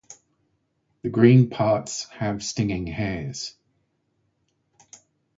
The green parts have stinging hairs.